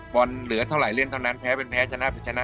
บอลเหลือเท่าไหร่เล่นเท่านั้นแพ้เป็นแพ้ชนะเป็นชนะ